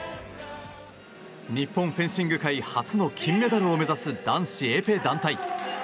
日本フェンシング界初のメダル獲得を目指す男子エペ団体。